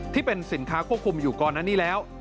ที่เป็นสินค้าควบคุมอยู่ก่อนอันนี้แล้ว